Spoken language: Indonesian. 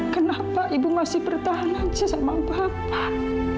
kenapa ibu masih bertahan aja sama bapak